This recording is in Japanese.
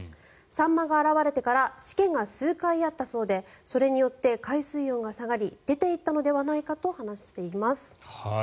サンマが現れてからしけが数回あったそうでそれによって海水温が下がり出ていったのではないかと話しています。